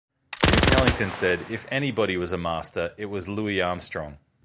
Duke Ellington said, If anybody was a master, it was Louis Armstrong.